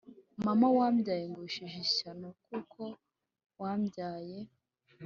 Mama wambyaye ngushije ishyano kuko wambyaye